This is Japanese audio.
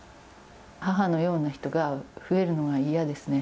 母のような人が増えるのが嫌ですね。